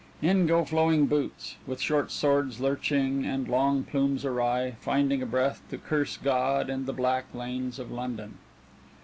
In go Flowing Boots, with short swords lurching and long plumes awry, finding a breath to curse God and the black lanes of London.